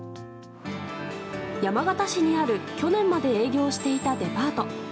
山形市にある去年まで営業していたデパート。